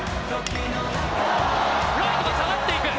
ライトが下がっていく。